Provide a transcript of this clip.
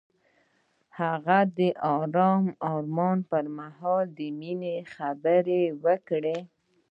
هغه د آرام آرمان پر مهال د مینې خبرې وکړې.